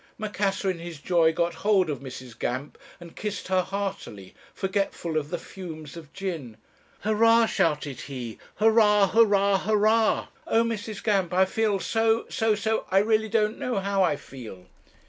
Macassar in his joy got hold of Mrs. Gamp, and kissed her heartily, forgetful of the fumes of gin. 'Hurrah!' shouted he,' hurrah, hurrah, hurrah! Oh, Mrs. Gamp, I feel so so so I really don't know how I feel.'